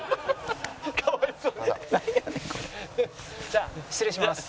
じゃあ失礼します。